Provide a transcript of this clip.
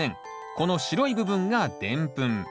この白い部分がでんぷん。